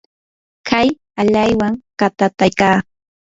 kay alaywan katataykaa.